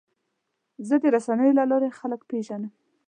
زه د رسنیو له لارې خلک پیژنم.